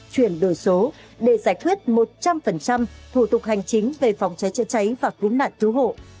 chuyển đổi số để giải quyết một trăm linh thủ tục hành chính về phòng cháy chữa cháy và cứu nạn cứu hộ